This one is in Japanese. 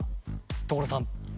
所さん！